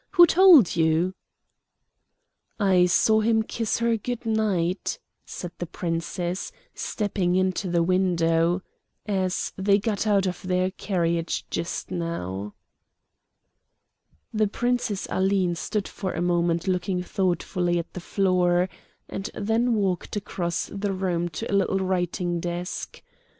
Who told you?" "I saw him kiss her good night," said the Princess, stepping into the window, "as they got out of their carriage just now." The Princess Aline stood for a moment looking thoughtfully at the floor, and then walked across the room to a little writing desk.